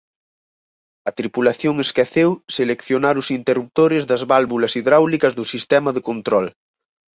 A tripulación esqueceu seleccionar os interruptores das válvulas hidráulicas do sistema de control.